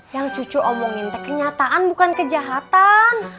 yang cucu omongin kenyataan bukan kejahatan